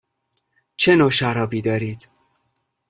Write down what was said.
چه نوع شرابی دارید؟